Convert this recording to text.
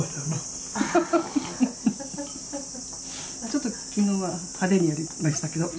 ちょっと昨日は派手にやりましたけど。